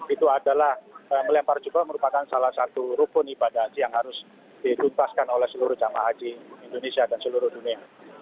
itu adalah melempar jubah merupakan salah satu rukun ibadah haji yang harus dituntaskan oleh seluruh jamaah haji indonesia dan seluruh dunia